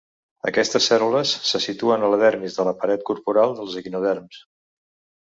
Aquestes cèl·lules se situen a la dermis de la paret corporal dels equinoderms.